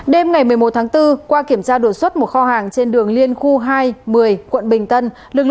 đêm ngày một mươi một tháng bốn qua kiểm tra đột xuất một kho hàng trên đường liên khu hai một mươi quận bình tân